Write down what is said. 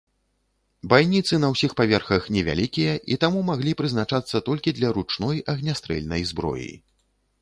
Байніцы на ўсіх паверхах невялікія, і таму маглі прызначацца толькі для ручной агнястрэльнай зброі.